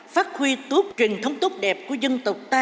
phát huy tuốt truyền thống tốt đẹp của dân